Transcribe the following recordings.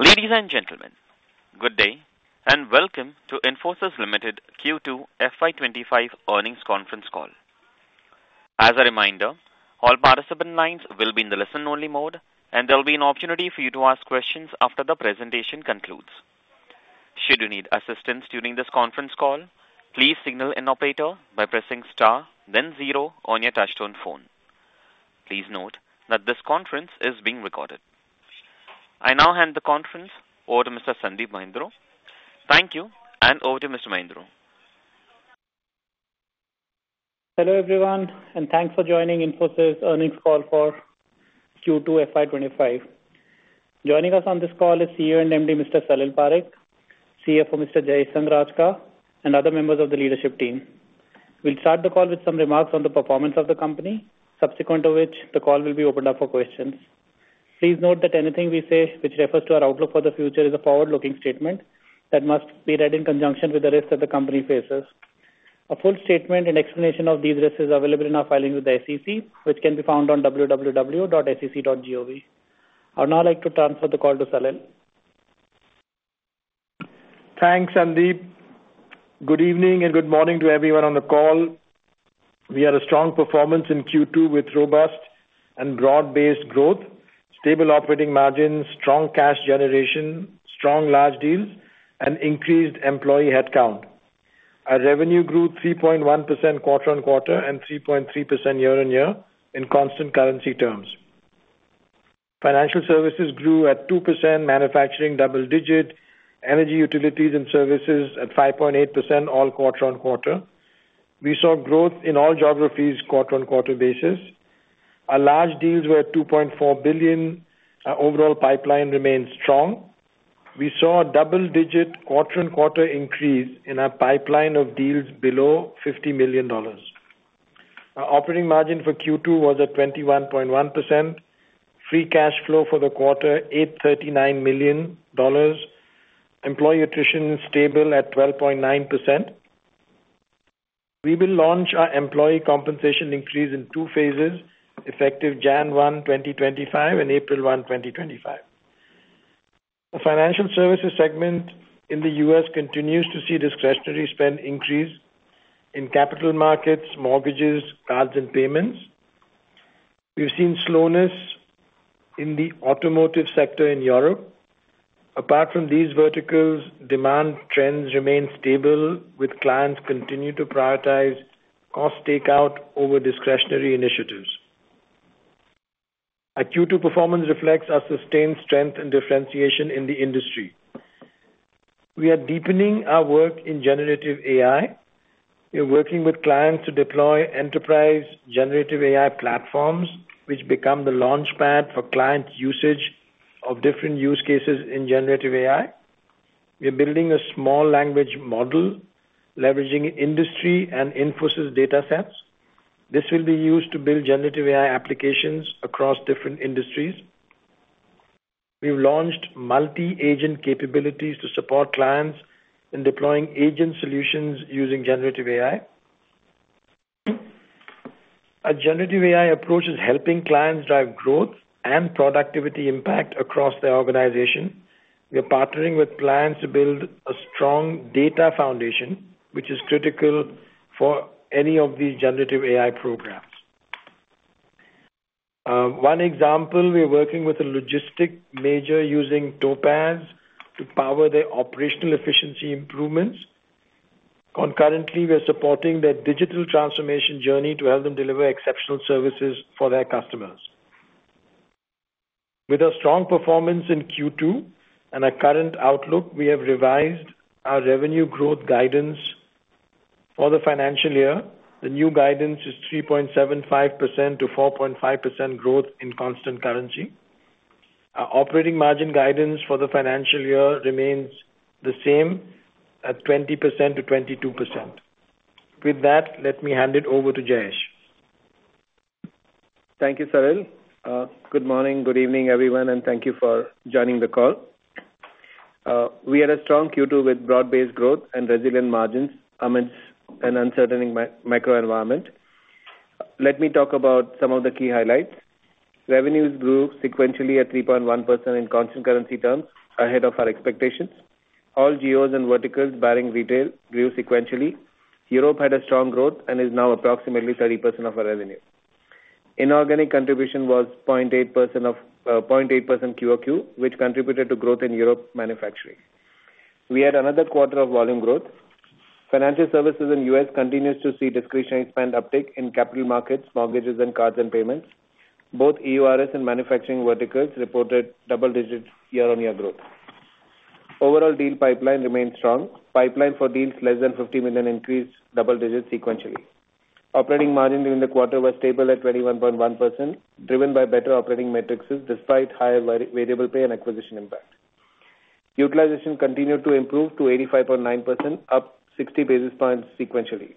Ladies and gentlemen, good day, and welcome to Infosys Limited Q2 FY 2025 earnings conference call. As a reminder, all participant lines will be in the listen-only mode, and there will be an opportunity for you to ask questions after the presentation concludes. Should you need assistance during this conference call, please signal an operator by pressing star then zero on your touchtone phone. Please note that this conference is being recorded. I now hand the conference over to Mr. Sandeep Mahindroo. Thank you, and over to Mr. Mahindroo. Hello, everyone, and thanks for joining Infosys earnings call for Q2 FY 2025. Joining us on this call is CEO and MD, Mr. Salil Parekh, CFO, Mr. Jayesh Sanghrajka, and other members of the leadership team. We'll start the call with some remarks on the performance of the company, subsequent to which the call will be opened up for questions. Please note that anything we say which refers to our outlook for the future is a forward-looking statement that must be read in conjunction with the risk that the company faces. A full statement and explanation of these risks is available in our filing with the SEC, which can be found on www.sec.gov. I would now like to transfer the call to Salil. Thanks, Sandeep. Good evening, and good morning to everyone on the call. We had a strong performance in Q2 with robust and broad-based growth, stable operating margins, strong cash generation, strong large deals, and increased employee headcount. Our revenue grew 3.1% quarter-on-quarter and 3.3% year-on-year in constant currency terms. Financial Services grew at 2%, Manufacturing double-digit, Energy, Utilities and Services at 5.8%, all quarter-on-quarter. We saw growth in all geographies, quarter-on-quarter basis. Our large deals were $2.4 billion. Our overall pipeline remains strong. We saw a double-digit quarter-on-quarter increase in our pipeline of deals below $50 million. Our operating margin for Q2 was at 21.1%. Free cash flow for the quarter, $839 million. Employee attrition stable at 12.9%. We will launch our employee compensation increase in two phases, effective January 1, 2025 and April 1, 2025. The financial services segment in the U.S. continues to see discretionary spend increase in capital markets, mortgages, cards, and payments. We've seen slowness in the automotive sector in Europe. Apart from these verticals, demand trends remain stable, with clients continuing to prioritize cost takeout over discretionary initiatives. Our Q2 performance reflects our sustained strength and differentiation in the industry. We are deepening our work in generative AI. We are working with clients to deploy enterprise generative AI platforms, which become the launchpad for client usage of different use cases in generative AI. We are building a small language model leveraging industry and Infosys datasets. This will be used to build generative AI applications across different industries. We've launched multi-agent capabilities to support clients in deploying agent solutions using generative AI. Our generative AI approach is helping clients drive growth and productivity impact across their organization. We are partnering with clients to build a strong data foundation, which is critical for any of these generative AI programs. One example, we are working with a logistics major using Topaz to power their operational efficiency improvements. Concurrently, we are supporting their digital transformation journey to help them deliver exceptional services for their customers. With a strong performance in Q2 and our current outlook, we have revised our revenue growth guidance for the financial year. The new guidance is 3.75%-4.5% growth in constant currency. Our operating margin guidance for the financial year remains the same at 20%-22%. With that, let me hand it over to Jayesh. Thank you, Salil. Good morning, good evening, everyone, and thank you for joining the call. We had a strong Q2 with broad-based growth and resilient margins amidst an uncertain macro environment. Let me talk about some of the key highlights. Revenues grew sequentially at 3.1% in constant currency terms, ahead of our expectations. All geos and verticals, barring retail, grew sequentially. Europe had a strong growth and is now approximately 30% of our revenue. Inorganic contribution was 0.8% QOQ, which contributed to growth in Europe manufacturing. We had another quarter of volume growth. Financial services in U.S. continues to see discretionary spend uptick in capital markets, mortgages, and cards and payments. Both EURS and manufacturing verticals reported double-digit year-on-year growth. Overall, deal pipeline remains strong. Pipeline for deals less than $50 million increased double digits sequentially. Operating margin during the quarter was stable at 21.1%, driven by better operating metrics despite higher variable pay and acquisition impact. Utilization continued to improve to 85.9%, up 60 basis points sequentially.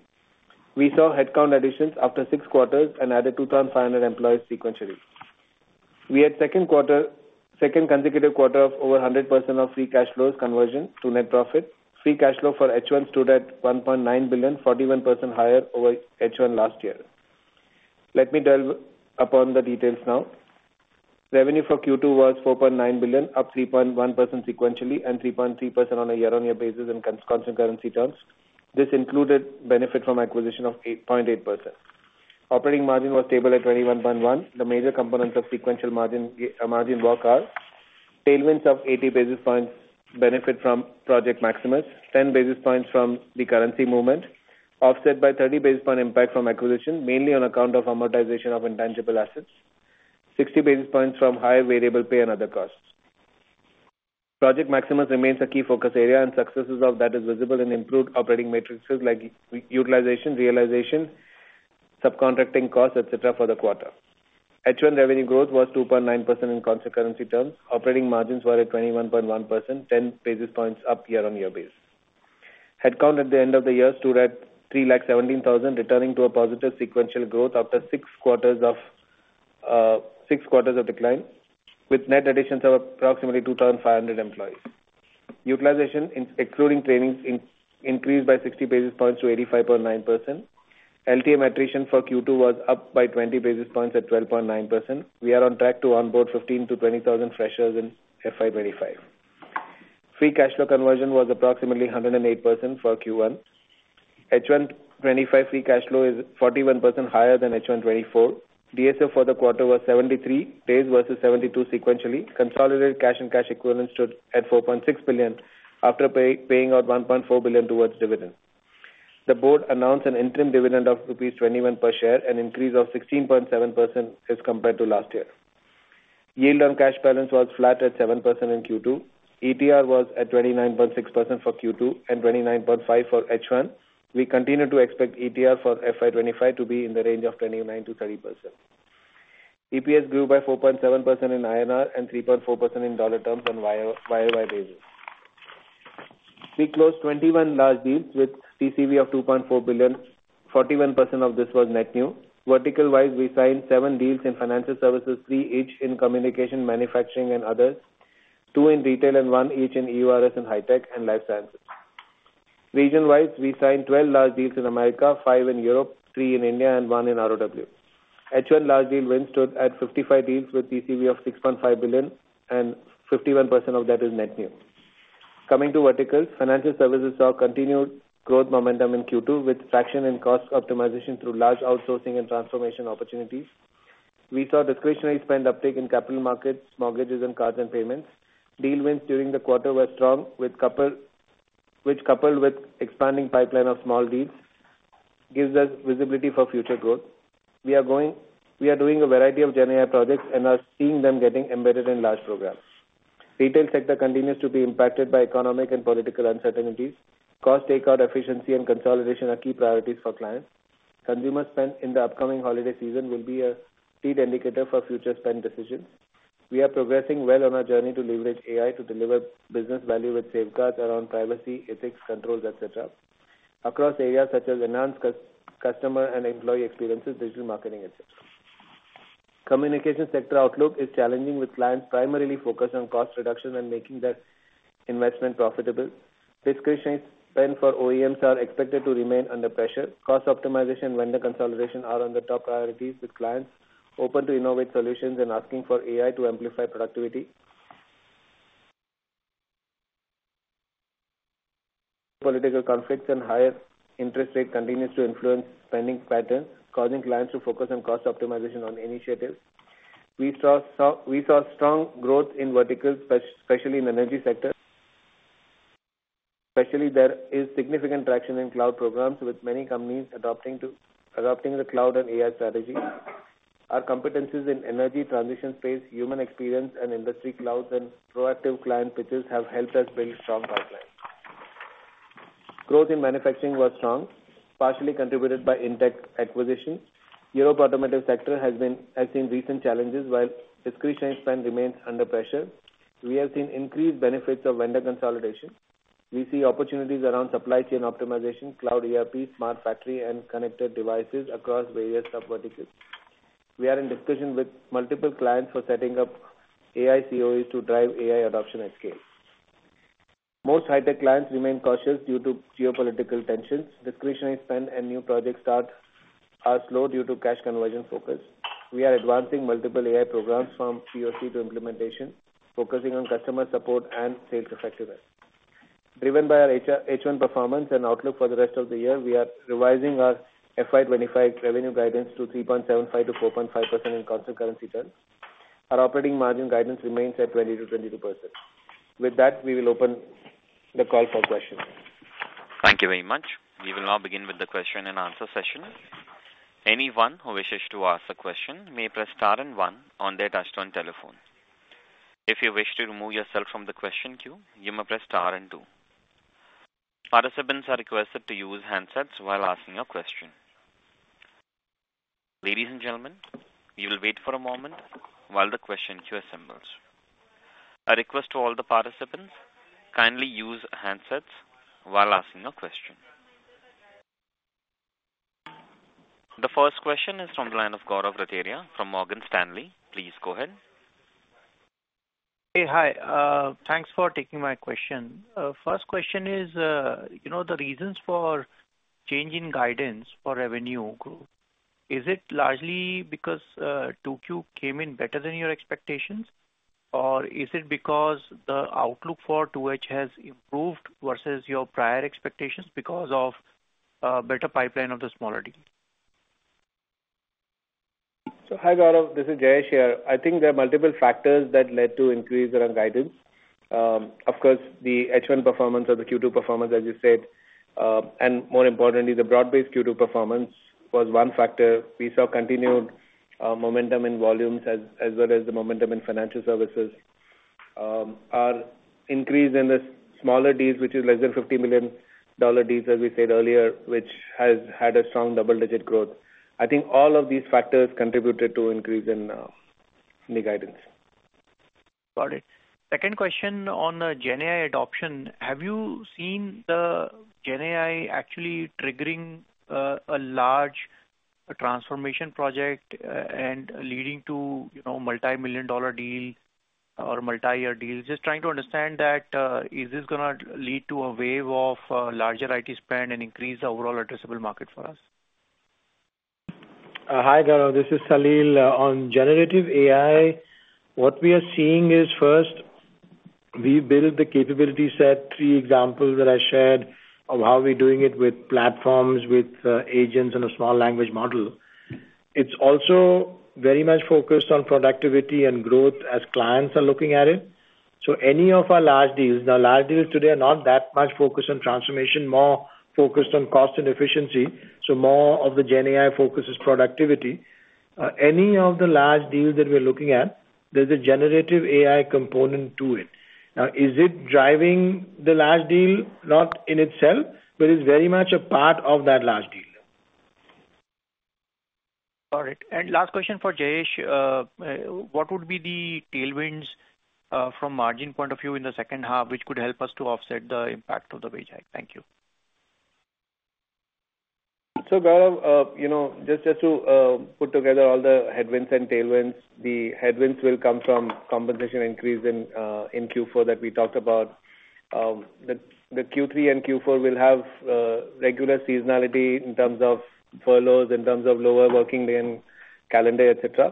We saw headcount additions after six quarters and added 2,500 employees sequentially. We had second consecutive quarter of over 100% of free cash flow conversion to net profit. Free cash flow for H1 stood at $1.9 billion, 41% higher over H1 last year. Let me delve upon the details now. Revenue for Q2 was $4.9 billion, up 3.1% sequentially, and 3.3% on a year-on-year basis in constant currency terms. This included benefit from acquisition of 8.8%. Operating margin was stable at 21.1. The major components of sequential margin, margin walk are: tailwinds of 80 basis points benefit from Project Maximus, 10 basis points from the currency movement, offset by 30 basis point impact from acquisition, mainly on account of amortization of intangible assets, 60 basis points from higher variable pay and other costs. Project Maximus remains a key focus area, and successes of that is visible in improved operating metrics like utilization, realization, subcontracting costs, etc., for the quarter. H1 revenue growth was 2.9% in constant currency terms. Operating margins were at 21.1%, 10 basis points up year-on-year basis. Headcount at the end of the year stood at three lakh seventeen thousand, returning to a positive sequential growth after six quarters of decline, with net additions of approximately 2,500 employees. Utilization excluding trainings increased by 60 basis points to 85.9%. LTM attrition for Q2 was up by 20 basis points at 12.9%. We are on track to onboard 15 to 20 thousand freshers in FY 2025. Free cash flow conversion was approximately 108% for Q1. H1 2025 free cash flow is 41% higher than H1 2024. DSO for the quarter was 73 days versus 72 sequentially. Consolidated cash and cash equivalents stood at $4.6 billion after paying out $1.4 billion towards dividends. The board announced an interim dividend of rupees 21 per share, an increase of 16.7% as compared to last year. Yield on cash balance was flat at 7% in Q2. ETR was at 29.6% for Q2 and 29.5% for H1. We continue to expect ETR for FY 2025 to be in the range of 29%-30%. EPS grew by 4.7% in INR and 3.4% in dollar terms on YoY basis. We closed 21 large deals with TCV of $2.4 billion. 41% of this was net new. Vertical wise, we signed 7 deals in financial services, 3 each in communication, manufacturing and others, 2 in retail and 1 each in EURS and high tech and life sciences. Region wise, we signed 12 large deals in Americas, 5 in Europe, 3 in India, and 1 in ROW. H1 large deal wins stood at 55 deals with TCV of $6.5 billion, and 51% of that is net new. Coming to verticals. Financial services saw continued growth momentum in Q2, with traction and cost optimization through large outsourcing and transformation opportunities. We saw discretionary spend uptake in capital markets, mortgages and cards and payments. Deal wins during the quarter were strong, coupled with expanding pipeline of small deals, gives us visibility for future growth. We are doing a variety of GenAI projects and are seeing them getting embedded in large programs. Retail sector continues to be impacted by economic and political uncertainties. Cost takeout, efficiency and consolidation are key priorities for clients. Consumer spend in the upcoming holiday season will be a key indicator for future spend decisions. We are progressing well on our journey to leverage AI to deliver business value with safeguards around privacy, ethics, controls, et cetera, across areas such as enhanced customer and employee experiences, digital marketing, et cetera. Communication sector outlook is challenging, with clients primarily focused on cost reduction and making their investment profitable. Discretionary spend for OEMs are expected to remain under pressure. Cost optimization and vendor consolidation are on the top priorities, with clients open to innovate solutions and asking for AI to amplify productivity. Political conflicts and higher interest rate continues to influence spending patterns, causing clients to focus on cost optimization on initiatives. We saw strong growth in verticals, especially in energy sector. Especially, there is significant traction in cloud programs, with many companies adopting the cloud and AI strategy. Our competencies in energy transition space, human experience and industry clouds and proactive client pitches have helped us build strong pipeline. Growth in manufacturing was strong, partially contributed by in-tech acquisition. Europe automotive sector has seen recent challenges, while discretionary spend remains under pressure. We have seen increased benefits of vendor consolidation. We see opportunities around supply chain optimization, cloud ERP, smart factory and connected devices across various sub verticals. We are in discussion with multiple clients for setting up AI COEs to drive AI adoption at scale. Most high-tech clients remain cautious due to geopolitical tensions. Discretionary spend and new project starts are slow due to cash conversion focus. We are advancing multiple AI programs from POC to implementation, focusing on customer support and sales effectiveness. Driven by our H1 performance and outlook for the rest of the year, we are revising our FY 2025 revenue guidance to 3.75%-4.5% in constant currency terms. Our operating margin guidance remains at 20%-22%. With that, we will open the call for questions. Thank you very much. We will now begin with the question and answer session. Anyone who wishes to ask a question may press star and one on their touchtone telephone. If you wish to remove yourself from the question queue, you may press star and two. Participants are requested to use handsets while asking a question. Ladies and gentlemen, we will wait for a moment while the question queue assembles. A request to all the participants, kindly use handsets while asking a question. The first question is from the line of Gaurav Rateria from Morgan Stanley. Please go ahead.... Hey, hi, thanks for taking my question. First question is, you know, the reasons for change in guidance for revenue growth. Is it largely because 2Q came in better than your expectations? Or is it because the outlook for 2H has improved versus your prior expectations because of better pipeline of the smaller deals? Hi, Gaurav. This is Jayesh here. I think there are multiple factors that led to increase around guidance. Of course, the H1 performance or the Q2 performance, as you said, and more importantly, the broad-based Q2 performance was one factor. We saw continued momentum in volumes as well as the momentum in financial services. Our increase in the smaller deals, which is less than $50 million deals, as we said earlier, which has had a strong double-digit growth. I think all of these factors contributed to increase in the guidance. Got it. Second question on the GenAI adoption. Have you seen the GenAI actually triggering a large transformation project, and leading to, you know, multi-million-dollar deal or multi-year deals? Just trying to understand that, is this gonna lead to a wave of larger IT spend and increase the overall addressable market for us? Hi, Gaurav, this is Salil. On generative AI, what we are seeing is first, we build the capability set. Three examples that I shared of how we're doing it with platforms, with agents and a small language model. It's also very much focused on productivity and growth as clients are looking at it. So any of our large deals, the large deals today are not that much focused on transformation, more focused on cost and efficiency. So more of the GenAI focus is productivity. Any of the large deals that we're looking at, there's a generative AI component to it. Now, is it driving the large deal? Not in itself, but it's very much a part of that large deal. All right. And last question for Jayesh. What would be the tailwinds, from margin point of view in the second half, which could help us to offset the impact of the wage hike? Thank you. So, Gaurav, you know, just to put together all the headwinds and tailwinds, the headwinds will come from compensation increase in, in Q4 that we talked about. The Q3 and Q4 will have, regular seasonality in terms of furloughs, in terms of lower working day and calendar, et cetera.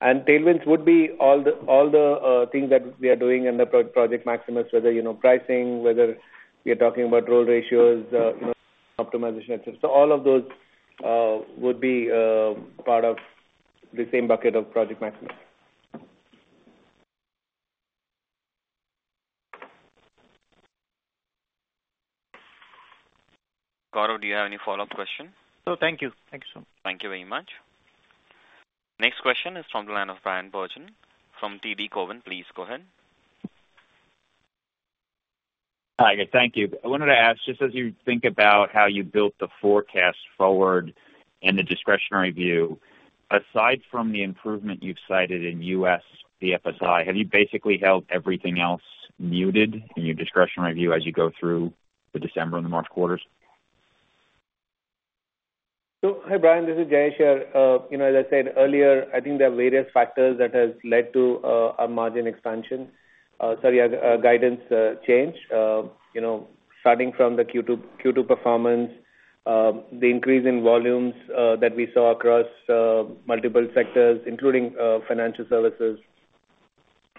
And tailwinds would be all the things that we are doing in the Project Maximus, whether, you know, pricing, whether we are talking about role ratios, you know, optimization. So all of those would be part of the same bucket of Project Maximus. Gaurav, do you have any follow-up question? No, thank you. Thank you so much. Thank you very much. Next question is from the line of Bryan Bergin from TD Cowen. Please go ahead. Hi, good. Thank you. I wanted to ask, just as you think about how you built the forecast forward in the discretionary view, aside from the improvement you've cited in U.S., the FSI, have you basically held everything else muted in your discretionary view as you go through the December and the March quarters? So, hi, Brian, this is Jayesh here. You know, as I said earlier, I think there are various factors that has led to a margin expansion. Sorry, guidance change. You know, starting from the Q2, Q2 performance, the increase in volumes that we saw across multiple sectors, including financial services.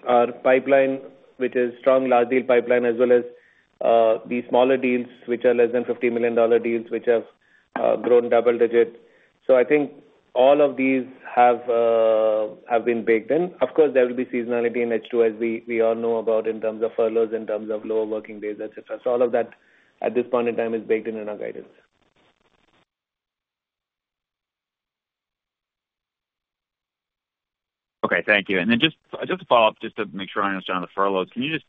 Our pipeline, which is strong, large deal pipeline, as well as these smaller deals, which are less than $50 million deals, which have grown double digits. So I think all of these have been baked in. Of course, there will be seasonality in H2, as we all know about in terms of furloughs, in terms of lower working days, et cetera. So all of that, at this point in time, is baked in in our guidance. Okay, thank you. And then just, just to follow up, just to make sure I understand the furloughs, can you just...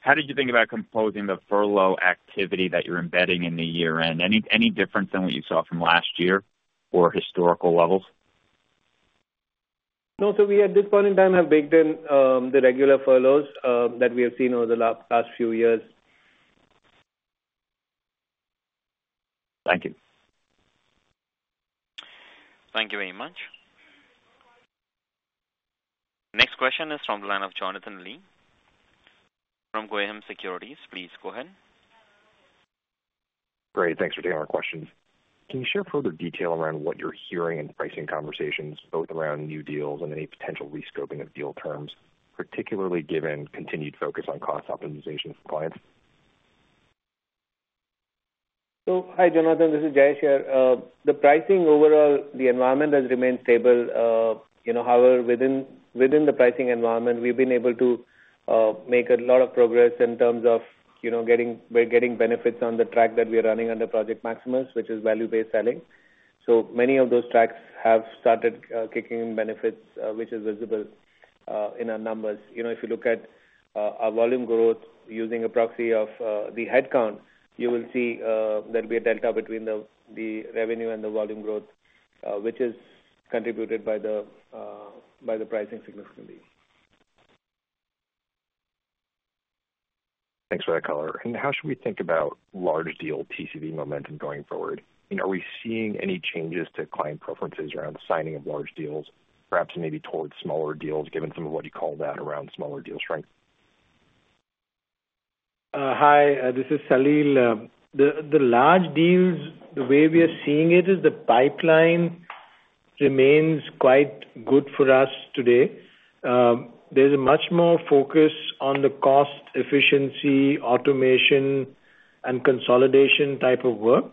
How did you think about composing the furlough activity that you're embedding in the year-end? Any, any different than what you saw from last year or historical levels? No. So we, at this point in time, have baked in the regular furloughs that we have seen over the past few years. Thank you. Thank you very much. Next question is from the line of Jonathan Lee from Guggenheim Securities. Please go ahead. Great, thanks for taking our questions. Can you share further detail around what you're hearing in pricing conversations, both around new deals and any potential rescoping of deal terms, particularly given continued focus on cost optimization for clients? Hi, Jonathan, this is Jayesh here. The pricing overall, the environment has remained stable, you know, however, within the pricing environment, we've been able to make a lot of progress in terms of, you know, getting benefits on the track that we are running under Project Maximus, which is value-based selling. Many of those tracks have started kicking in benefits, which is visible in our numbers. You know, if you look at our volume growth using a proxy of the headcount, you will see there'll be a delta between the revenue and the volume growth, which is contributed by the pricing significantly. Thanks for that color. How should we think about large deal TCV momentum going forward? Are we seeing any changes to client preferences around the signing of large deals, perhaps maybe towards smaller deals, given some of what you called out around smaller deal strength? Hi, this is Salil. The large deals, the way we are seeing it, is the pipeline remains quite good for us today. There's a much more focus on the cost, efficiency, automation, and consolidation type of work.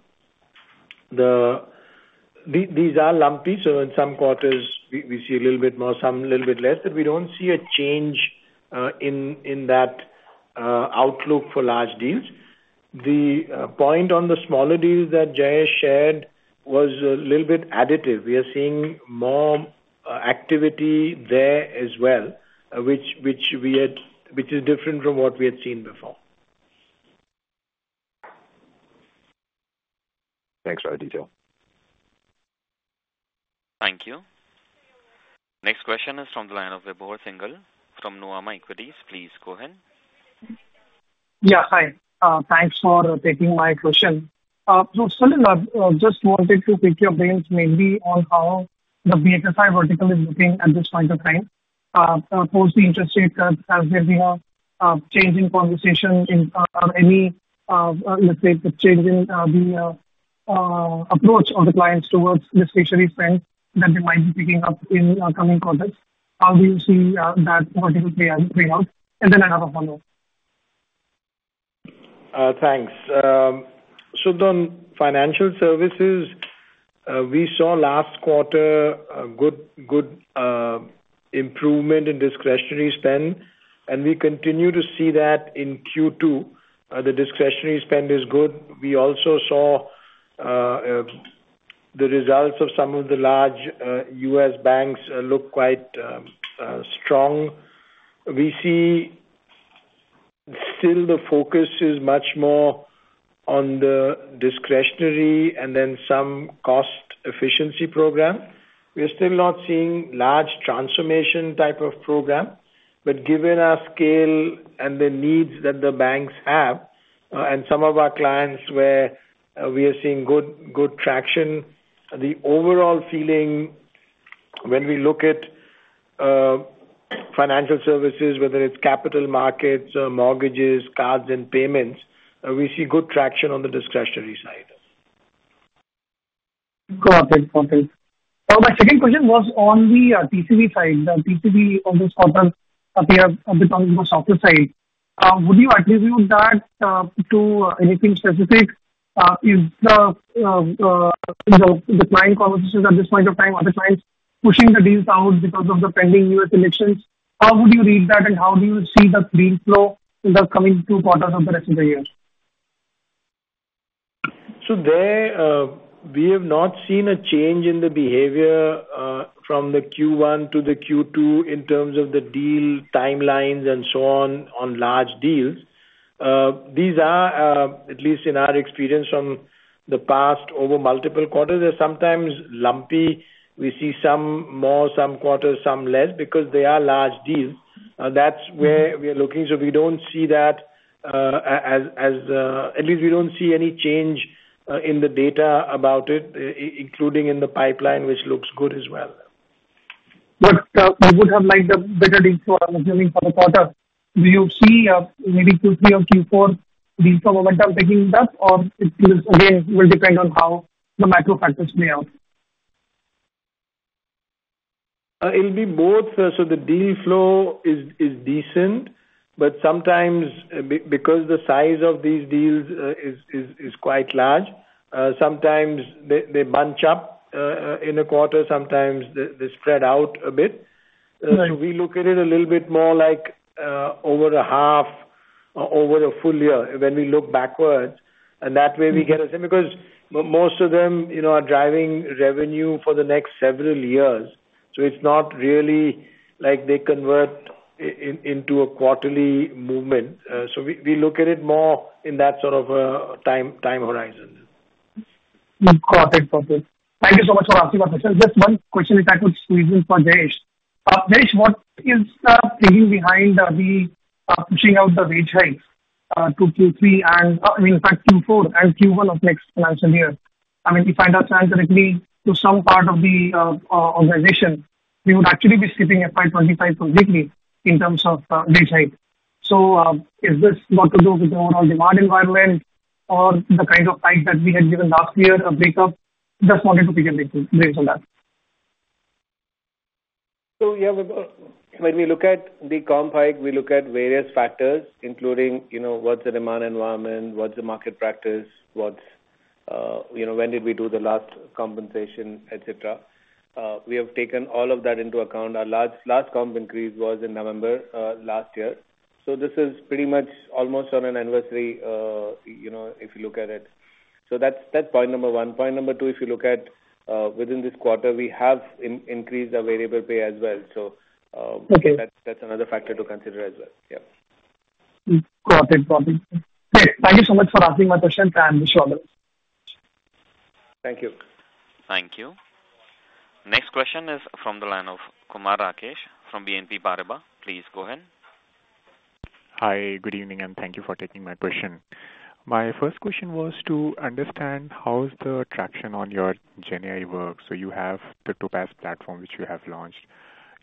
These are lumpy, so in some quarters we see a little bit more, some a little bit less, but we don't see a change in that outlook for large deals. The point on the smaller deals that Jayesh shared was a little bit additive. We are seeing more activity there as well, which is different from what we had seen before. Thanks for the detail. Thank you. Next question is from the line of Vibhor Singhal from Nuvama Institutional Equities. Please go ahead. Yeah, hi. Thanks for taking my question. So Salil, just wanted to pick your brains mainly on how the BFSI vertical is looking at this point of time. Post the interest rate cuts, has there been a change in conversation in any, let's say, the change in the approach of the clients towards discretionary spend that they might be picking up in coming quarters? How do you see that vertical play out? And then I have a follow-up. Thanks. So the financial services, we saw last quarter a good, good improvement in discretionary spend, and we continue to see that in Q2. The discretionary spend is good. We also saw the results of some of the large U.S. banks look quite strong. We see still the focus is much more on the discretionary and then some cost efficiency program. We are still not seeing large transformation type of program, but given our scale and the needs that the banks have, and some of our clients where we are seeing good, good traction, the overall feeling when we look at financial services, whether it's capital markets, mortgages, cards and payments, we see good traction on the discretionary side. Got it. Okay. My second question was on the TCV side. The TCV over this quarter appear on the software side. Would you attribute that to anything specific? Is the you know the client conversations at this point of time are the clients pushing the deals out because of the pending U.S. elections? How would you read that and how do you see the deal flow in the coming two quarters of the rest of the year? So there, we have not seen a change in the behavior, from the Q1 to the Q2 in terms of the deal timelines and so on, on large deals. These are, at least in our experience from the past, over multiple quarters, they're sometimes lumpy. We see some more, some quarters, some less, because they are large deals. That's where we are looking. So we don't see that as... At least we don't see any change, in the data about it, including in the pipeline, which looks good as well. But, we would have liked a better deal flow, I'm assuming, for the quarter. Do you see, maybe Q3 or Q4 deal flow momentum picking up, or it will again depend on how the macro factors play out? It'll be both. So the deal flow is decent, but sometimes because the size of these deals is quite large, sometimes they bunch up in a quarter, sometimes they spread out a bit. Right. So we look at it a little bit more like, over a half or over a full year when we look backwards, and that way we get a... Because most of them, you know, are driving revenue for the next several years, so it's not really like they convert into a quarterly movement. So we look at it more in that sort of time horizon. Got it. Okay. Thank you so much for answering my question. Just one question, if I could squeeze in for Jayesh. Jayesh, what is the thinking behind the pushing out the wage hike to Q3 and, in fact, Q4 and Q1 of next financial year? I mean, if I understand correctly, to some part of the organization, we would actually be skipping FY 2025 completely in terms of wage hike. So, is this got to do with overall demand environment or the kind of hike that we had given last year, a breakup? Just wanted to pick your brain on that. So, yeah, when we look at the comp hike, we look at various factors, including, you know, what's the demand environment, what's the market practice, what's, you know, when did we do the last compensation, et cetera. We have taken all of that into account. Our last comp increase was in November last year. So this is pretty much almost on an anniversary, you know, if you look at it. So that's point number one. Point number two, if you look at within this quarter, we have increased our variable pay as well. So, Okay.... that's, that's another factor to consider as well. Yeah. Got it. Got it. Great. Thank you so much for answering my questions, and wish you all the best.... Thank you. Thank you. Next question is from the line of Kumar Rakesh from BNP Paribas. Please go ahead. Hi, good evening, and thank you for taking my question. My first question was to understand how is the traction on your GenAI work? So you have the Topaz platform, which you have launched.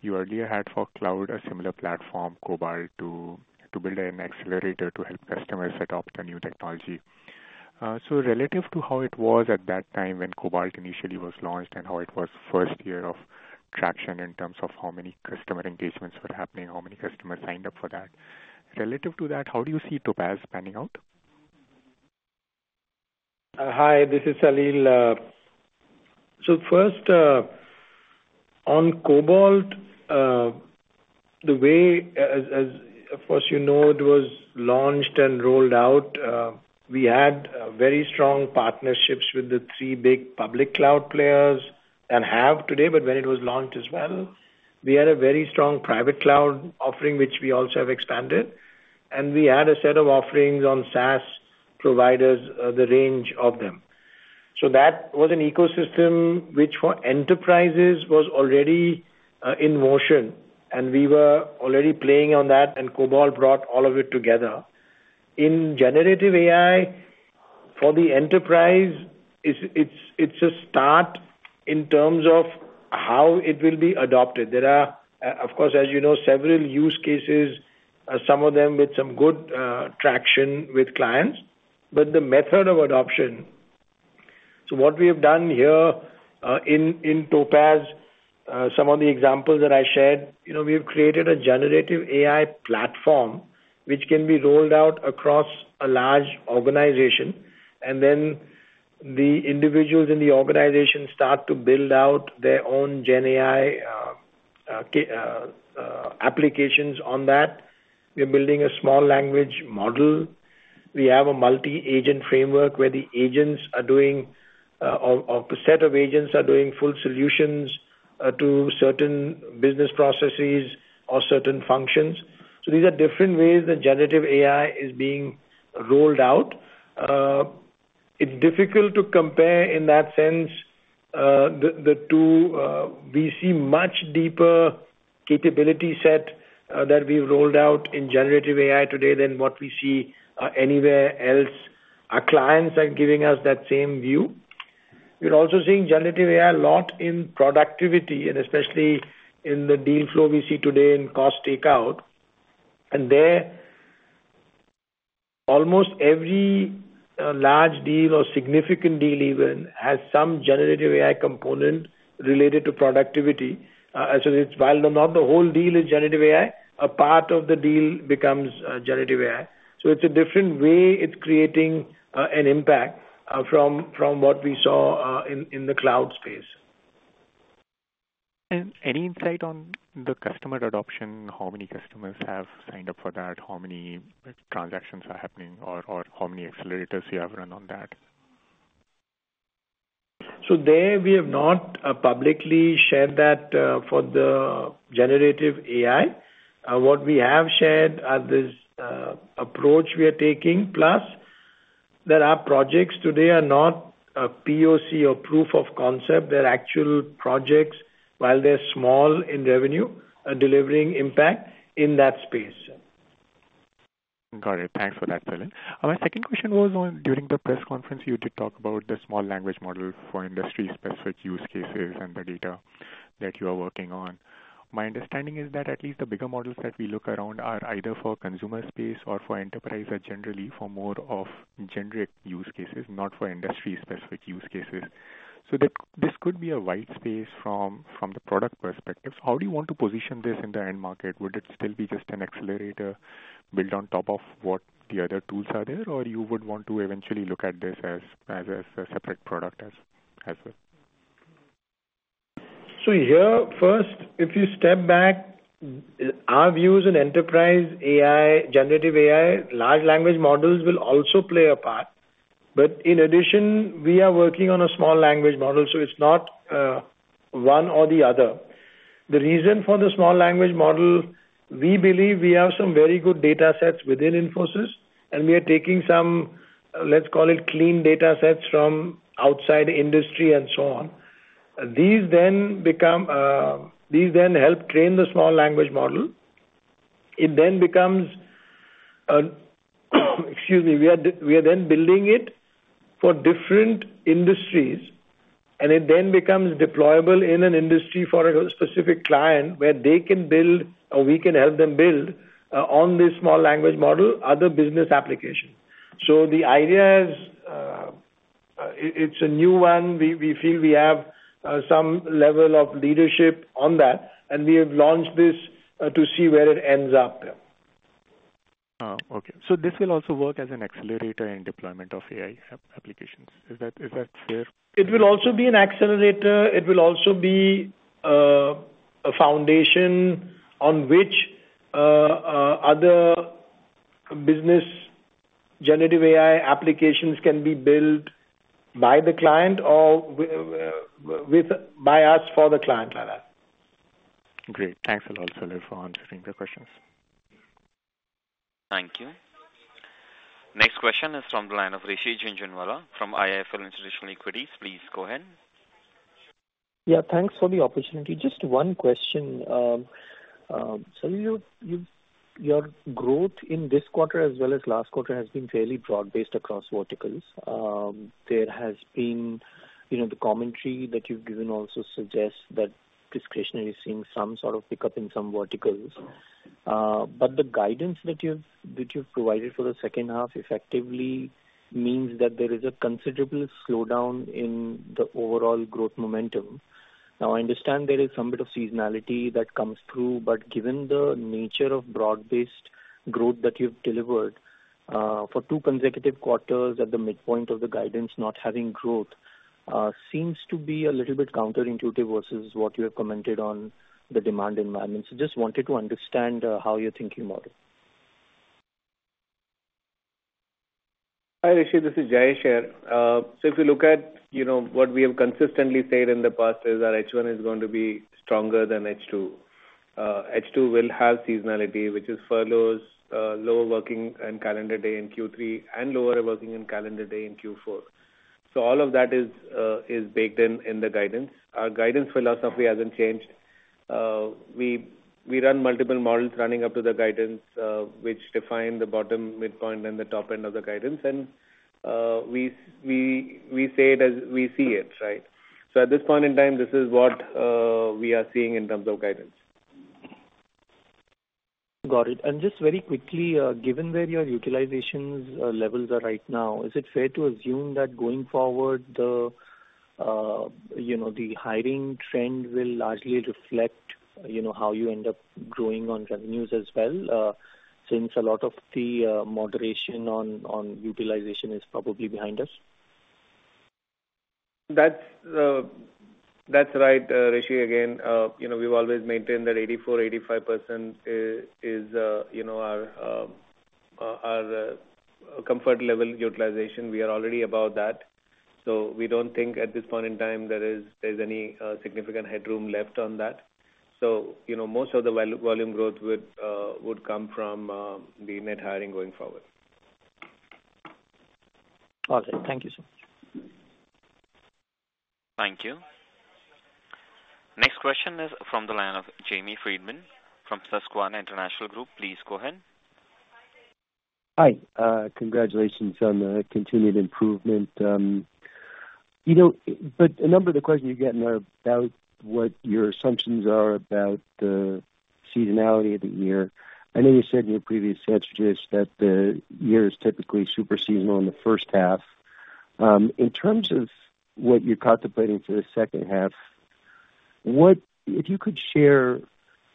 You earlier had for cloud, a similar platform, Cobalt, to build an accelerator to help customers adopt a new technology. So relative to how it was at that time when Cobalt initially was launched and how it was first year of traction in terms of how many customer engagements were happening, how many customers signed up for that. Relative to that, how do you see Topaz panning out? Hi, this is Salil. So first, on Cobalt, the way, as of course you know, it was launched and rolled out, we had very strong partnerships with the three big public cloud players and have today, but when it was launched as well. We had a very strong private cloud offering, which we also have expanded, and we had a set of offerings on SaaS providers, the range of them. So that was an ecosystem which for enterprises was already in motion, and we were already playing on that, and Cobalt brought all of it together. In generative AI, for the enterprise, it's a start in terms of how it will be adopted. There are, of course, as you know, several use cases, some of them with some good traction with clients, but the method of adoption... So what we have done here, in Topaz, some of the examples that I shared, you know, we've created a generative AI platform which can be rolled out across a large organization, and then the individuals in the organization start to build out their own GenAI applications on that. We're building a small language model. We have a multi-agent framework, where the agents are doing, or a set of agents are doing full solutions to certain business processes or certain functions. So these are different ways that generative AI is being rolled out. It's difficult to compare in that sense, the two. We see much deeper capability set that we've rolled out in generative AI today than what we see anywhere else. Our clients are giving us that same view. We're also seeing generative AI a lot in productivity, and especially in the deal flow we see today in cost takeout. And there, almost every large deal or significant deal even has some generative AI component related to productivity. So it's, while not the whole deal is generative AI, a part of the deal becomes generative AI. So it's a different way it's creating an impact from what we saw in the cloud space. Any insight on the customer adoption? How many customers have signed up for that? How many transactions are happening or how many accelerators you have run on that? We have not publicly shared that for the generative AI. What we have shared are this approach we are taking, plus there are projects today are not a POC or proof of concept. They're actual projects, while they're small in revenue, are delivering impact in that space. Got it. Thanks for that, Salil. My second question was on, during the press conference, you did talk about the small language model for industry-specific use cases and the data that you are working on. My understanding is that at least the bigger models that we look around are either for consumer space or for enterprise, are generally for more of generic use cases, not for industry-specific use cases. So this, this could be a wide space from, from the product perspective. How do you want to position this in the end market? Would it still be just an accelerator built on top of what the other tools are there, or you would want to eventually look at this as, as a separate product as, as well? So here, first, if you step back, our views on enterprise AI, generative AI, large language models will also play a part. But in addition, we are working on a small language model, so it's not one or the other. The reason for the small language model, we believe we have some very good data sets within Infosys, and we are taking some, let's call it, clean data sets from outside industry and so on. These then help train the small language model. It then becomes, excuse me. We are then building it for different industries, and it then becomes deployable in an industry for a specific client, where they can build or we can help them build on this small language model, other business application. So the idea is, it's a new one. We feel we have some level of leadership on that, and we have launched this to see where it ends up. Ah, okay. So this will also work as an accelerator in deployment of AI applications. Is that, is that fair? It will also be an accelerator. It will also be a foundation on which other business generative AI applications can be built by the client or by us for the client. Got it. Great. Thanks a lot, Salil, for answering the questions. Thank you. Next question is from the line of Rishi Jhunjhunwala from IIFL Institutional Equities. Please go ahead. Yeah, thanks for the opportunity. Just one question. So your growth in this quarter, as well as last quarter, has been fairly broad-based across verticals. There has been, you know, the commentary that you've given also suggests that discretionary is seeing some sort of pickup in some verticals. But the guidance that you've provided for the second half effectively means that there is a considerable slowdown in the overall growth momentum. Now, I understand there is some bit of seasonality that comes through, but given the nature of broad-based growth that you've delivered for two consecutive quarters at the midpoint of the guidance, not having growth seems to be a little bit counterintuitive versus what you have commented on the demand environment. So just wanted to understand how you're thinking about it. Hi, Rishi, this is Jayesh here. So if you look at, you know, what we have consistently said in the past is that H1 is going to be stronger than H2. H2 will have seasonality, which is furloughs, lower working and calendar day in Q3 and lower working in calendar day in Q4. So all of that is baked in, in the guidance. Our guidance philosophy hasn't changed. We run multiple models running up to the guidance, which define the bottom midpoint and the top end of the guidance. We say it as we see it, right? So at this point in time, this is what we are seeing in terms of guidance. Got it. And just very quickly, given where your utilization levels are right now, is it fair to assume that going forward, the, you know, the hiring trend will largely reflect, you know, how you end up growing on revenues as well, since a lot of the moderation on utilization is probably behind us? That's right, Rishi. Again, you know, we've always maintained that 84%-85% is our comfort level utilization. We are already above that. So we don't think at this point in time there is any significant headroom left on that. So, you know, most of the volume growth would come from the net hiring going forward. Okay. Thank you, sir. Thank you. Next question is from the line of Jamie Friedman from Susquehanna International Group. Please go ahead. Hi, congratulations on the continued improvement. You know, but a number of the questions you're getting are about what your assumptions are about the seasonality of the year. I know you said in your previous strategies that the year is typically super seasonal in the first half. In terms of what you're contemplating for the second half, if you could share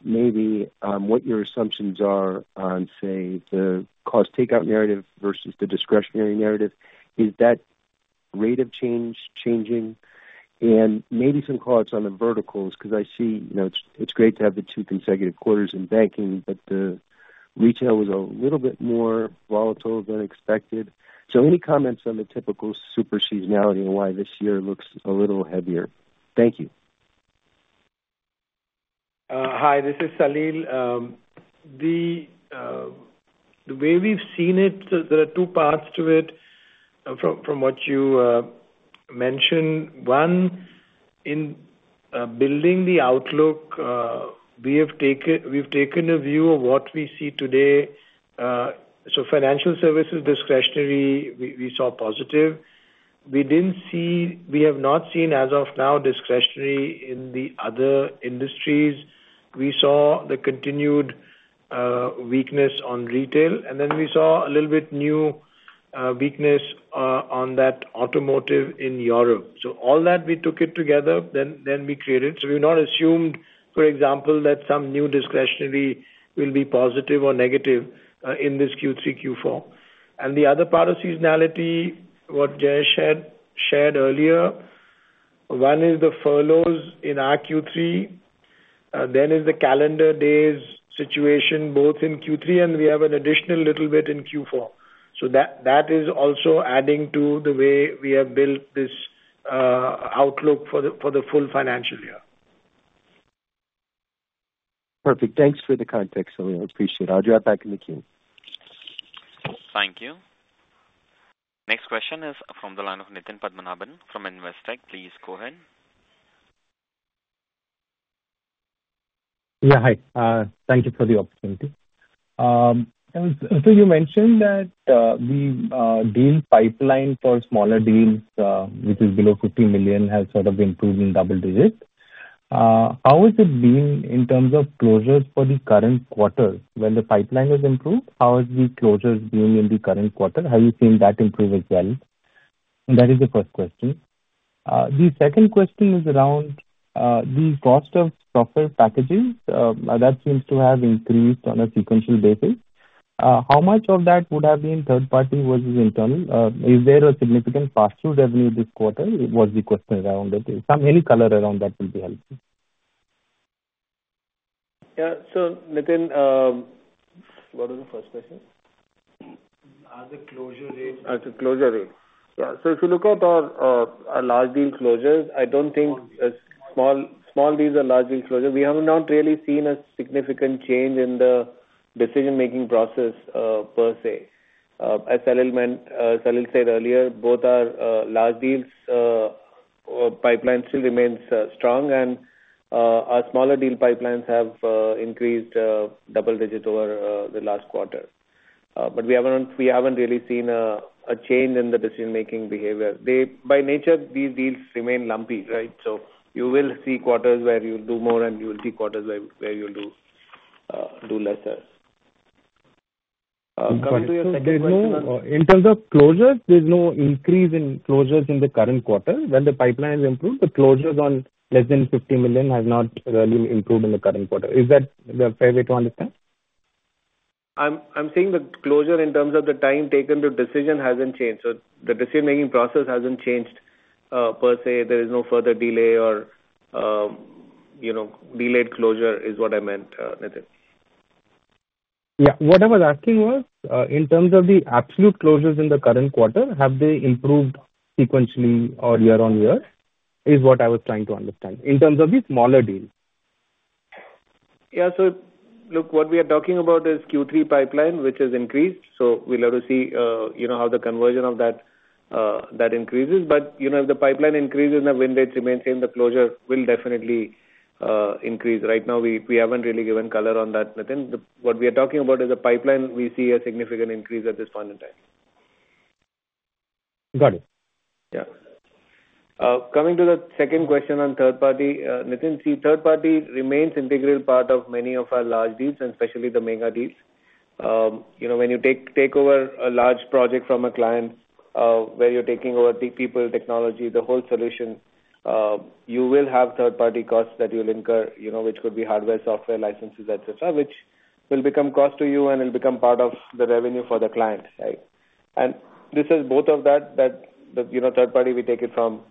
maybe what your assumptions are on, say, the cost takeout narrative versus the discretionary narrative. Is that rate of change changing? And maybe some comments on the verticals, 'cause I see, you know, it's great to have the two consecutive quarters in banking, but the retail was a little bit more volatile than expected. So any comments on the typical super seasonality and why this year looks a little heavier? Thank you. Hi, this is Salil. The way we've seen it, so there are two parts to it from what you mentioned. One, in building the outlook, we have taken, we've taken a view of what we see today. So financial services discretionary, we saw positive. We didn't see -- we have not seen, as of now, discretionary in the other industries. We saw the continued weakness on retail, and then we saw a little bit new weakness on that automotive in Europe. So all that, we took it together, then we created. So we've not assumed, for example, that some new discretionary will be positive or negative in this Q3, Q4. And the other part of seasonality, what Jayesh had shared earlier, one is the furloughs in our Q3, then is the calendar days situation, both in Q3 and we have an additional little bit in Q4. So that is also adding to the way we have built this outlook for the full financial year. Perfect. Thanks for the context, Salil. I appreciate it. I'll drop back in the queue. Thank you. Next question is from the line of Nitin Padmanabhan from Investec. Please go ahead. Yeah, hi. Thank you for the opportunity. So you mentioned that the deals pipeline for smaller deals, which is below 50 million, has sort of improved in double digits. How is it being in terms of closures for the current quarter when the pipeline has improved? How are the closures doing in the current quarter? Have you seen that improve as well? That is the first question. The second question is around the cost of software packages that seems to have increased on a sequential basis. How much of that would have been third party versus internal? Is there a significant pass-through revenue this quarter? What's the question around that? Some, any color around that will be helpful. Yeah. So, Nitin, what was the first question?... as a closure rate. As a closure rate. Yeah. So if you look at our large deal closures, I don't think in small deals or large deal closures, we have not really seen a significant change in the decision-making process, per se. As Salil meant, Salil said earlier, both our large deals pipeline still remains strong and our smaller deal pipelines have increased double digits over the last quarter. But we haven't really seen a change in the decision-making behavior. They. By nature, these deals remain lumpy, right? So you will see quarters where you'll do more and you will see quarters where you'll do lesser. Coming to your second question on- In terms of closures, there's no increase in closures in the current quarter. When the pipeline is improved, the closures on less than 50 million have not really improved in the current quarter. Is that the fair way to understand? I'm saying the closure in terms of the time taken, the decision hasn't changed. So the decision-making process hasn't changed, per se. There is no further delay or, you know, delayed closure, is what I meant, Nitin. Yeah. What I was asking was, in terms of the absolute closures in the current quarter, have they improved sequentially or year-on-year? Is what I was trying to understand. In terms of the smaller deals. Yeah, so look, what we are talking about is Q3 pipeline, which has increased, so we'll have to see, you know, how the conversion of that increases. But, you know, if the pipeline increases and the win rates remain same, the closure will definitely increase. Right now, we haven't really given color on that, Nitin. What we are talking about is a pipeline we see a significant increase at this point in time. Got it. Yeah. Coming to the second question on third party, Nitin. See, third party remains integral part of many of our large deals and especially the mega deals. You know, when you take over a large project from a client, where you're taking over the people, technology, the whole solution, you will have third-party costs that you'll incur, you know, which could be hardware, software, licenses, et cetera, which will become cost to you and will become part of the revenue for the client, right? And this is both of that, the, you know, third party, we take it from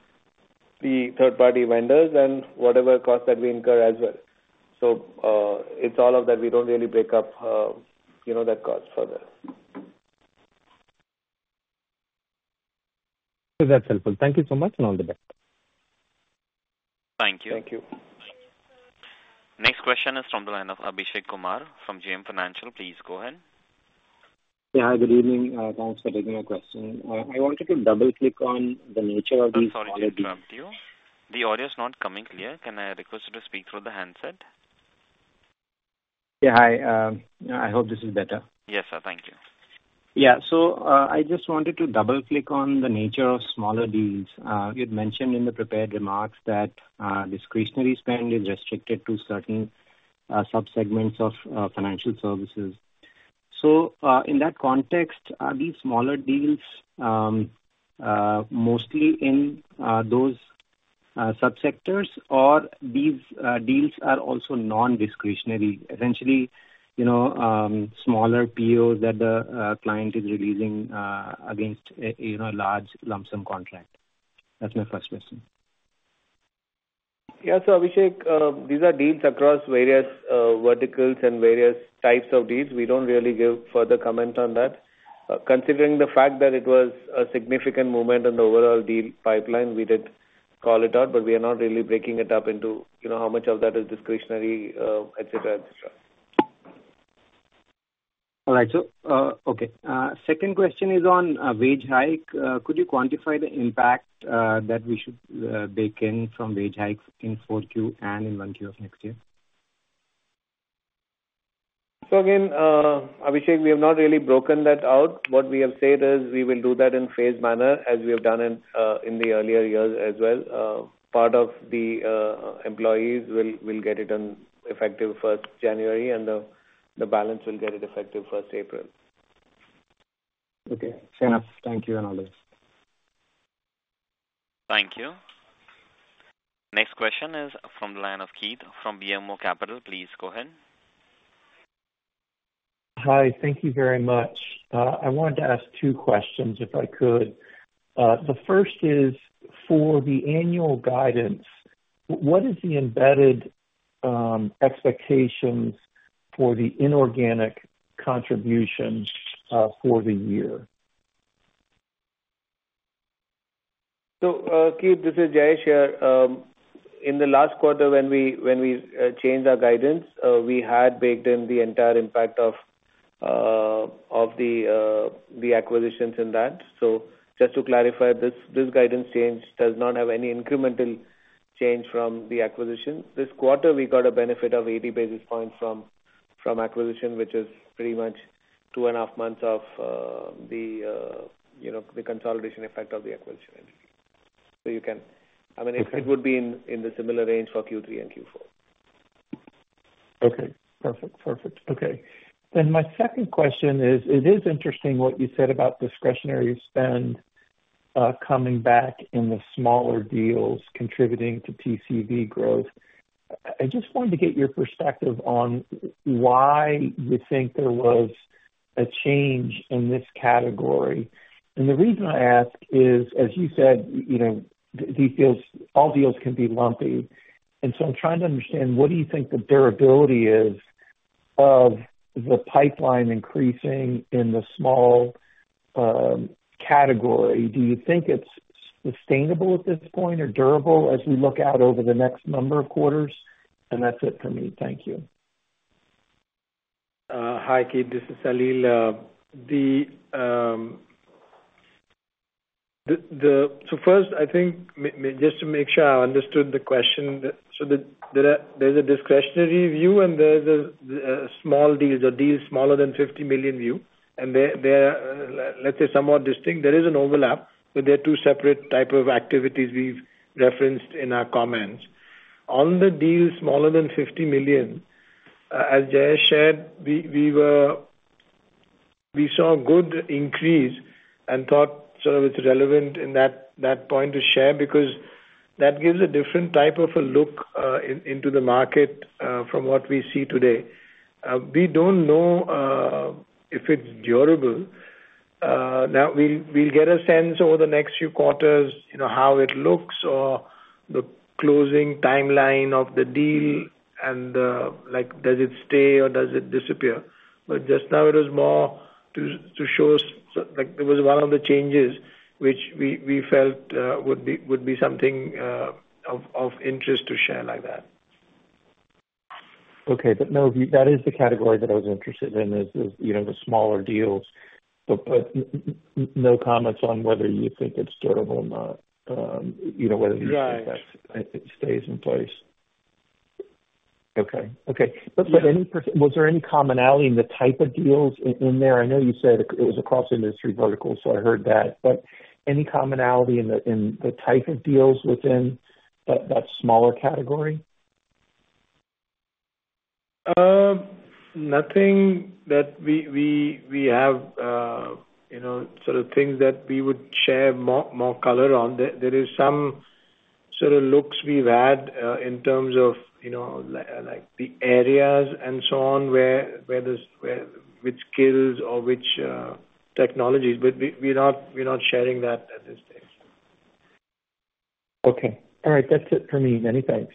the third-party vendors and whatever cost that we incur as well. So, it's all of that. We don't really break up, you know, that cost further. So that's helpful. Thank you so much, and all the best. Thank you. Thank you. Next question is from the line of Abhishek Kumar, from JM Financial. Please go ahead. Yeah, good evening. Thanks for taking my question. I wanted to double-click on the nature of the- I'm sorry to interrupt you. The audio is not coming clear. Can I request you to speak through the handset? Yeah, hi. I hope this is better. Yes, sir. Thank you. Yeah. So, I just wanted to double-click on the nature of smaller deals. You'd mentioned in the prepared remarks that, discretionary spend is restricted to certain, sub-segments of, financial services. So, in that context, are these smaller deals, mostly in, those, sub-sectors, or these, deals are also non-discretionary, essentially, you know, smaller POs that the, client is releasing, against a, you know, large lump sum contract? That's my first question. Yeah, so Abhishek, these are deals across various verticals and various types of deals. We don't really give further comment on that. Considering the fact that it was a significant moment in the overall deal pipeline, we did call it out, but we are not really breaking it up into, you know, how much of that is discretionary, et cetera, et cetera. All right. So, okay. Second question is on wage hike. Could you quantify the impact that we should bake in from wage hikes in Q4 and in Q1 of next year? So again, Abhishek, we have not really broken that out. What we have said is we will do that in phased manner, as we have done in the earlier years as well. Part of the employees will get it effective first January, and the balance will get it effective first April. Okay, fair enough. Thank you, and all the best. Thank you. Next question is from the line of Keith from BMO Capital. Please go ahead. Hi, thank you very much. I wanted to ask two questions, if I could. The first is, for the annual guidance, what is the embedded expectations for the inorganic contributions, for the year? So, Keith, this is Jayesh here. In the last quarter, when we changed our guidance, we had baked in the entire impact of the acquisitions in that. So just to clarify, this guidance change does not have any incremental change from the acquisition. This quarter, we got a benefit of 80 basis points from acquisition, which is pretty much two and a half months of you know, the consolidation effect of the acquisition. I mean, it would be in the similar range for Q3 and Q4. Okay. Perfect. Perfect. Okay. Then my second question is, it is interesting what you said about discretionary spend coming back in the smaller deals contributing to TCV growth. I just wanted to get your perspective on why you think there was a change in this category? And the reason I ask is, as you said, you know, these deals, all deals can be lumpy. And so I'm trying to understand, what do you think the durability is of the pipeline increasing in the small category? Do you think it's sustainable at this point, or durable as we look out over the next number of quarters? And that's it for me. Thank you. Hi, Keith, this is Salil. First, I think just to make sure I understood the question, there is a discretionary view, and there's a small deals or deals smaller than fifty million view, and they're, let's say, somewhat distinct. There is an overlap, but they're two separate type of activities we've referenced in our comments. On the deals smaller than fifty million, as Jayesh shared, we saw a good increase and thought sort of it's relevant in that point to share, because that gives a different type of a look into the market from what we see today. We don't know if it's durable. Now we'll get a sense over the next few quarters, you know, how it looks or the closing timeline of the deal and, like, does it stay or does it disappear? But just now it was more to show us, like, it was one of the changes which we felt would be something of interest to share like that. Okay. But no, that is the category that I was interested in, you know, the smaller deals. But no comments on whether you think it's durable or not, you know, whether- Right. It stays in place. Okay. Okay. Yeah. But was there any commonality in the type of deals in there? I know you said it was across industry verticals, so I heard that, but any commonality in the type of deals within that smaller category? Nothing that we have, you know, sort of things that we would share more color on. There is some sort of looks we've had in terms of, you know, like the areas and so on, where this, where which skills or which technologies, but we're not sharing that at this stage. Okay. All right, that's it for me. Many thanks.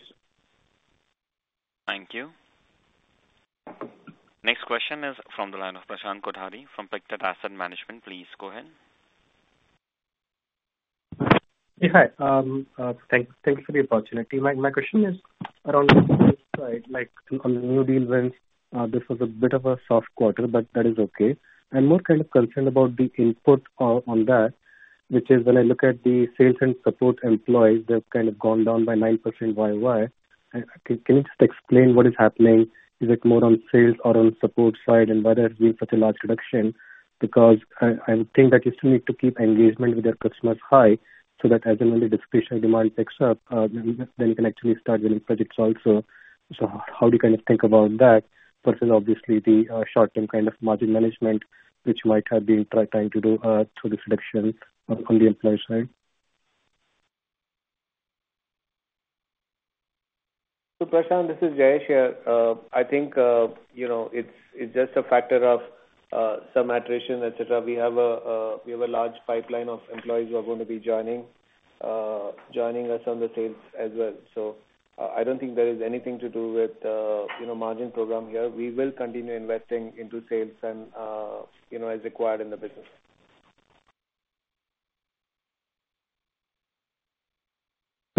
Thank you. Next question is from the line of Prashant Kothari from Pictet Asset Management. Please go ahead. Yeah, hi. Thanks for the opportunity. My question is around like, on the new deal wins. This was a bit of a soft quarter, but that is okay. I'm more kind of concerned about the input on that, which is when I look at the sales and support employees, they've kind of gone down by 9% Y/Y. Can you just explain what is happening? Is it more on sales or on support side, and why there has been such a large reduction? Because I think that you still need to keep engagement with your customers high, so that as and when the discretionary demand picks up, then you can actually start winning projects also. So how do you kind of think about that, versus obviously the short-term kind of margin management, which might have been trying to do through the reduction on the employee side? So Prashant, this is Jayesh here. I think, you know, it's just a factor of some attrition, et cetera. We have a large pipeline of employees who are going to be joining us on the sales as well. So, I don't think there is anything to do with, you know, margin program here. We will continue investing into sales and, you know, as required in the business.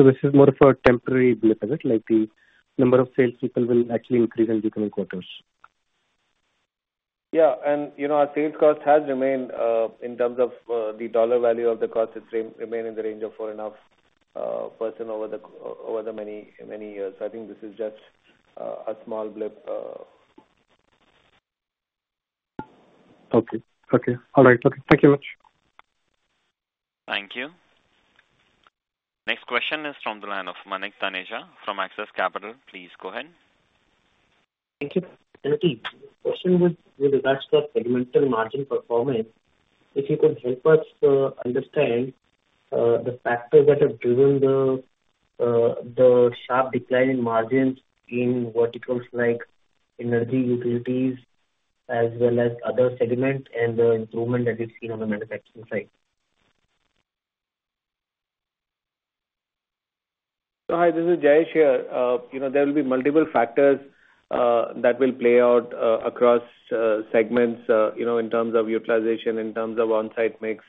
So this is more of a temporary blip, is it? Like, the number of sales people will actually increase in the coming quarters. Yeah, and, you know, our sales cost has remained in terms of the dollar value of the cost. It remained in the range of 4.5% over the many, many years. I think this is just a small blip. Okay. All right. Thank you much. Thank you. Next question is from the line of Manik Taneja from Axis Capital. Please go ahead. Thank you. Manik. The question with regards to the segmental margin performance, if you could help us understand the factors that have driven the sharp decline in margins in verticals like energy, utilities, as well as other segments, and the improvement that is seen on the manufacturing side? Hi, this is Jayesh here. You know, there will be multiple factors that will play out across segments, you know, in terms of utilization, in terms of on-site mix,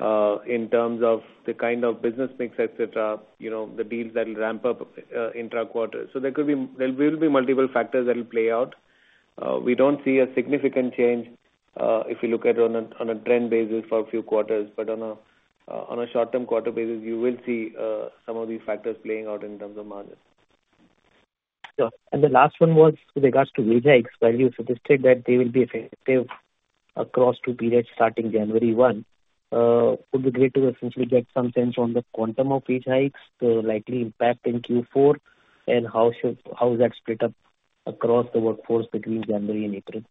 in terms of the kind of business mix, et cetera, you know, the deals that will ramp up intra-quarter. So there could be, there will be multiple factors that will play out. We don't see a significant change if you look at on a, on a trend basis for a few quarters, but on a, on a short-term quarter basis, you will see some of these factors playing out in terms of margins. Sure. And the last one was with regards to wage hikes, where you suggested that they will be effective across two periods starting January one. Would be great to essentially get some sense on the quantum of wage hikes, the likely impact in Q4, and how is that split up across the workforce between January and April?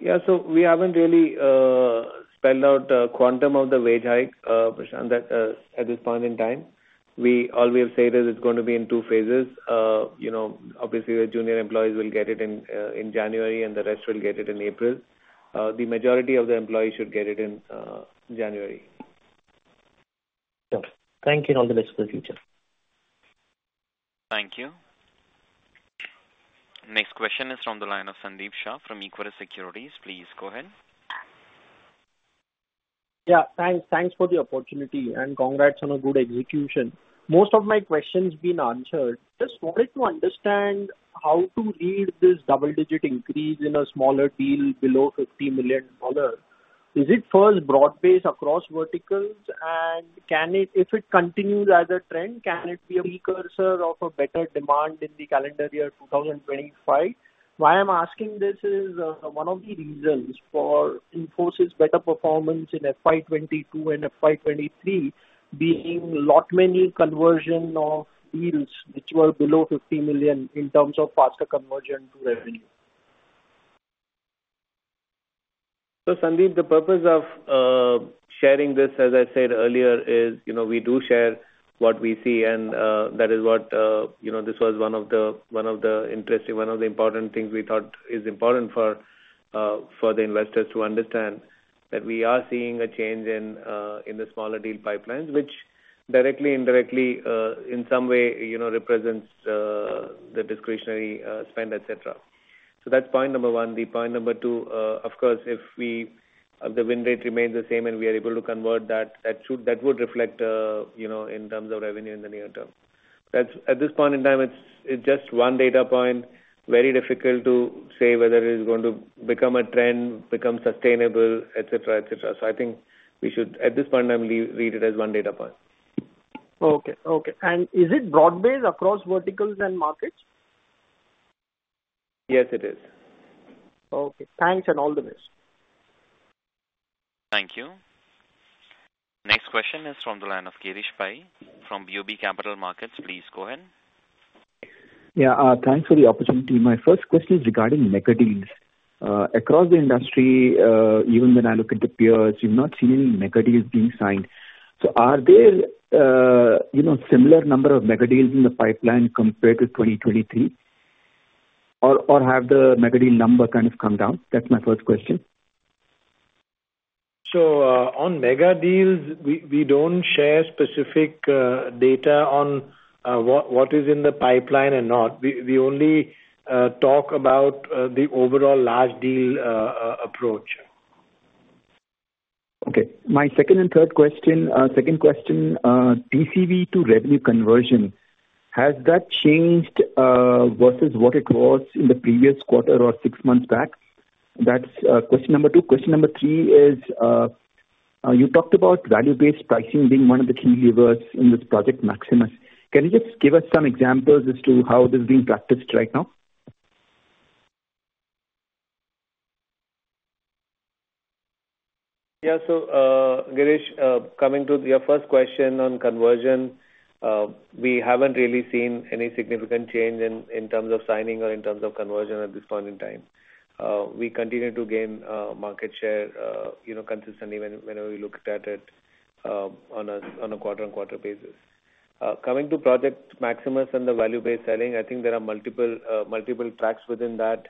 Yeah, so we haven't really spelled out the quantum of the wage hike, Prashant, at this point in time. We, all we have said is it's going to be in two phases. You know, obviously, the junior employees will get it in January, and the rest will get it in April. The majority of the employees should get it in January. Sure. Thank you, and all the best for the future. Thank you. Next question is from the line of Sandeep Shah from Equirus Securities. Please go ahead. Yeah, thanks. Thanks for the opportunity, and congrats on a good execution. Most of my questions been answered. Just wanted to understand how to read this double-digit increase in a smaller deal below $50 million. Is it first broad-based across verticals, and can it, if it continues as a trend, be a precursor of a better demand in the calendar year 2025? Why I'm asking this is, one of the reasons for Infosys' better performance in FY 2022 and FY 2023, being lot many conversion of deals which were below $50 million in terms of faster conversion to revenue. So, Sandeep, the purpose of sharing this, as I said earlier, is, you know, we do share what we see, and that is what, you know, this was one of the, one of the interesting, one of the important things we thought is important for for the investors to understand, that we are seeing a change in in the smaller deal pipelines, which directly, indirectly, in some way, you know, represents the discretionary spend, et cetera. So that's point number one. The point number two, of course, if we, if the win rate remains the same and we are able to convert that, that should, that would reflect, you know, in terms of revenue in the near term. That's... At this point in time, it's just one data point, very difficult to say whether it is going to become a trend, become sustainable, et cetera, et cetera. So I think we should, at this point in time, read it as one data point. Okay. Okay. And is it broad-based across verticals and markets? Yes, it is. Okay, thanks and all the best. Thank you. Next question is from the line of Girish Pai from BOB Capital Markets. Please go ahead. Yeah, thanks for the opportunity. My first question is regarding mega deals. Across the industry, even when I look at the peers, we've not seen any mega deals being signed. So are there, you know, similar number of mega deals in the pipeline compared to 2023? Or, or have the mega deal number kind of come down? That's my first question. So, on mega deals, we don't share specific data on what is in the pipeline and not. We only talk about the overall large deal approach. Okay. My second and third question. Second question, TCV to revenue conversion, has that changed versus what it was in the previous quarter or six months back? That's question number two. Question number three is, you talked about value-based pricing being one of the key levers in this Project Maximus. Can you just give us some examples as to how this is being practiced right now? Yeah. So, Girish, coming to your first question on conversion, we haven't really seen any significant change in terms of signing or in terms of conversion at this point in time. We continue to gain market share, you know, consistently whenever we looked at it, on a quarter-on-quarter basis. Coming to Project Maximus and the value-based selling, I think there are multiple tracks within that,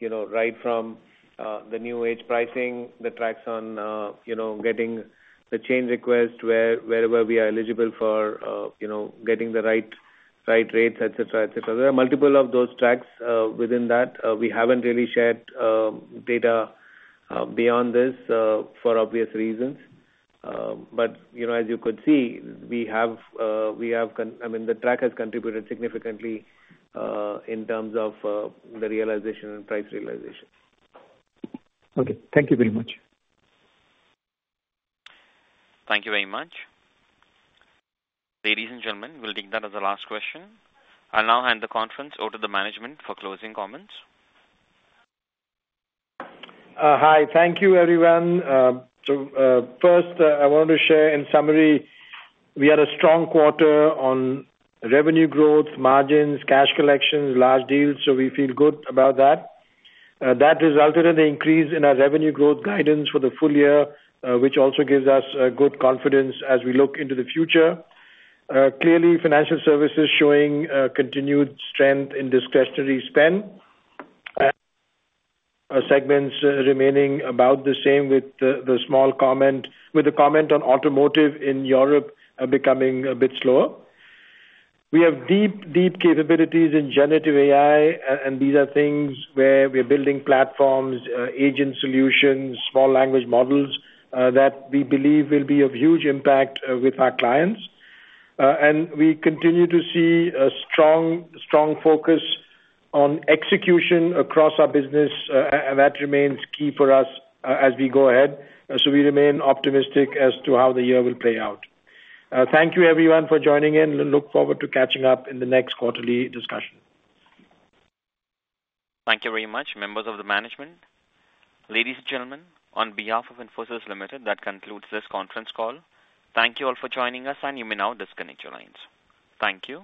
you know, right from the new age pricing, the tracks on, you know, getting the change request wherever we are eligible for, you know, getting the right rates, et cetera. There are multiple of those tracks within that. We haven't really shared data beyond this for obvious reasons. But, you know, as you could see, we have. I mean, the contract has contributed significantly in terms of the realization and price realization. Okay, thank you very much. Thank you very much. Ladies and gentlemen, we'll take that as the last question. I'll now hand the conference over to the management for closing comments. Hi. Thank you, everyone. First, I want to share in summary, we had a strong quarter on revenue growth, margins, cash collections, large deals, so we feel good about that. That resulted in an increase in our revenue growth guidance for the full year, which also gives us good confidence as we look into the future. Clearly, financial services showing continued strength in discretionary spend, and segments remaining about the same with the small comment, with a comment on automotive in Europe becoming a bit slower. We have deep, deep capabilities in generative AI, and these are things where we are building platforms, agent solutions, small language models, that we believe will be of huge impact with our clients. And we continue to see a strong, strong focus on execution across our business, and that remains key for us, as we go ahead. So we remain optimistic as to how the year will play out. Thank you everyone for joining in, and look forward to catching up in the next quarterly discussion. Thank you very much, members of the management. Ladies and gentlemen, on behalf of Infosys Limited, that concludes this conference call. Thank you all for joining us, and you may now disconnect your lines. Thank you.